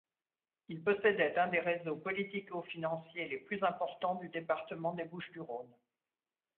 Il possédait un des réseaux politico-financiers les plus importants du département des Bouches-du-Rhône.